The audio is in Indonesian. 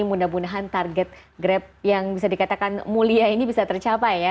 mudah mudahan target grab yang bisa dikatakan mulia ini bisa tercapai ya